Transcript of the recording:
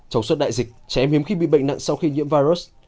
trong suốt đại dịch trẻ em hiếm khi bị bệnh nặng sau khi nhiễm virus